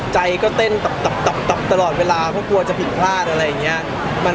ใจก็เต้นตับตลอดเวลาเพราะกลัวจะผิดพลาดอะไรอย่างนี้